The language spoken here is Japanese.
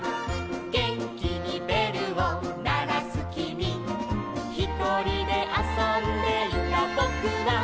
「げんきにべるをならすきみ」「ひとりであそんでいたぼくは」